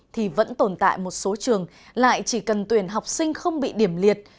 thì vẫn tồn tại một số trường lại chỉ cần tuyển học sinh không bị điểm liệt